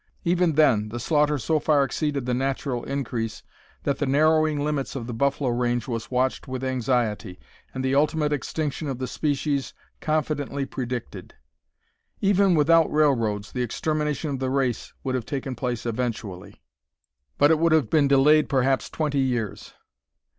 Even then, the slaughter so far exceeded the natural increase that the narrowing limits of the buffalo range was watched with anxiety, and the ultimate extinction of the species confidently predicted. Even without railroads the extermination of the race would have taken place eventually, but it would have been delayed perhaps twenty years.